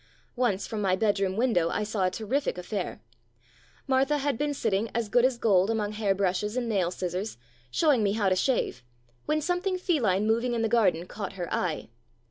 Once from my bedroom window I saw a terrific affair. Martha had been sitting as good as gold among hair brushes and nail scissors, showing me how to shave, when something feline moving in the garden caught her eye.